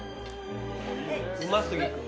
うますぎ。